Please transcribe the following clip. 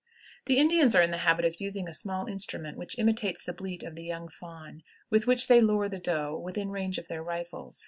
The Indians are in the habit of using a small instrument which imitates the bleat of the young fawn, with which they lure the doe within range of their rifles.